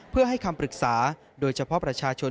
เพื่อให้คำปรึกษาโดยเฉพาะประชาชน